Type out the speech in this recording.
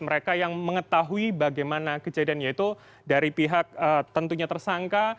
mereka yang mengetahui bagaimana kejadian yaitu dari pihak tentunya tersangka